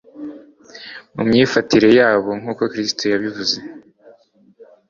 Mu myifatire yabo nk'uko Kristo yabivuze,